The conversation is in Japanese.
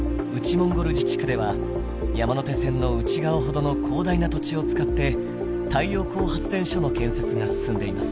モンゴル自治区では山手線の内側ほどの広大な土地を使って太陽光発電所の建設が進んでいます。